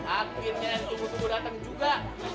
akhirnya yang tunggu tunggu datang juga